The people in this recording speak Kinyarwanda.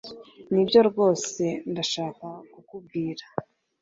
Nibyo rwose ndashaka kukubwira.